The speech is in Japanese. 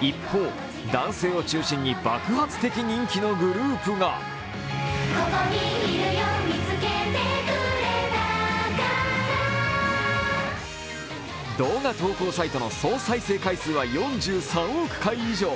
一方、男性を中心に爆発的人気のグループが動画投稿サイトの総再生回数は４３億回以上。